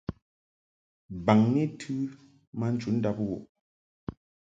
Baŋni tɨ ma nchundab wuʼ.